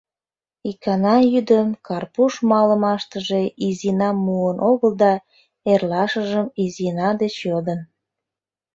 Икана йӱдым Карпуш малымаштыже Изинам муын огыл да, эрлашыжым Изина деч йодын.